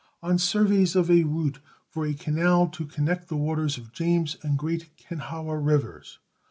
On surveys of a route for a canal to connect the waters of James and Great Kenhawa rivers.